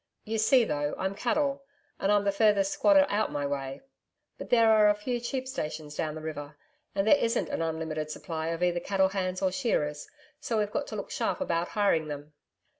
'You see, though, I'm cattle and I'm the furthest squatter out my way. But there are a few sheep stations down the river, and there isn't an unlimited supply of either cattle hands or shearers, so we've got to look sharp about hiring them.